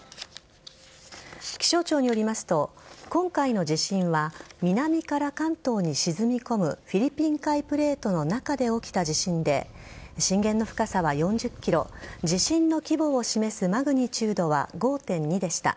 気象庁によりますと今回の地震は南から関東に沈み込むフィリピン海プレートの中で起きた地震で震源の深さは４０ｋｍ地震の規模を示すマグニチュードは５．２でした。